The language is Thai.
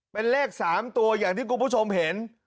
เป็นเลข๓ตัวอย่างที่คุณผู้ชมเห็น